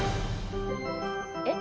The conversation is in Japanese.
えっ？